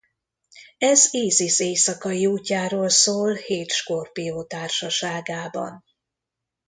Ez Ízisz éjszakai útjáról szól hét skorpió társaságában.